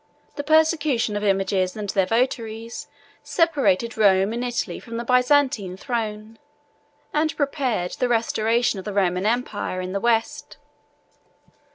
The persecution of images and their votaries separated Rome and Italy from the Byzantine throne, and prepared the restoration of the Roman empire in the West.